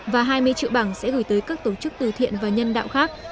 và hai mươi triệu bảng sẽ gửi tới các tổ chức từ thiện và nhân đạo khác